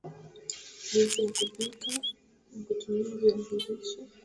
Jinsi ya kupika na kutumia viazi lishe